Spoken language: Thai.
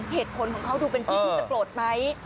เหตุผลของเขาดูเป็นพี่ที่จะโกรธไหม